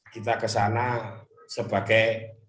kita kesana sebagai